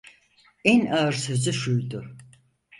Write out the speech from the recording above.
En ağır sözü şuydu: